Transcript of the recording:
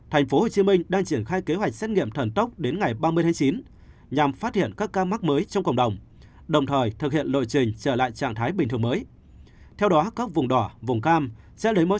thành phố hồ chí minh đang triển khai kế hoạch xét nghiệm thần tốc đến ngày ba mươi hai mươi chín nhằm phát hiện các ca mắc mới trong cộng đồng đồng thời thực hiện lội trình trở lại trạng thái bình thường mới